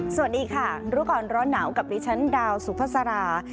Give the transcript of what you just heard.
สวัสดีค่ะรู้ก่อนร้อนหนาวกับดิฉันดาวสุภาษารา